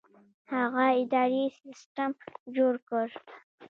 هغه اداري سیستم جوړ کړ.